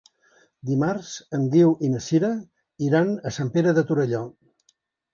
Dimarts en Guiu i na Sira iran a Sant Pere de Torelló.